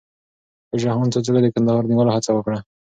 شاه جهان څو ځله د کندهار د نیولو هڅه وکړه.